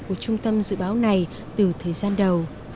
của trung tâm dự báo này từ thời gian đầu